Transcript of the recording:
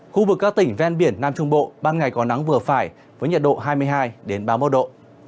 khu vực các tỉnh ven biển nam trung bộ ban ngày có nắng vừa phải với nhiệt độ hai mươi hai ba mươi một độ